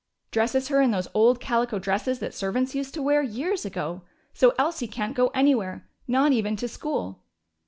Dresses her in those old calico dresses that servants used to wear years ago. So Elsie can't go anywhere, not even to school."